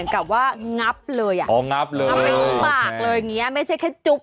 อ๋ออย่างง้าบเลยอยู่ที่อีสานนี่คือสวบ